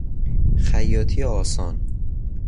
خیاطی آسان